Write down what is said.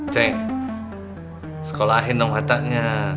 ceng sekolah akhir dong katanya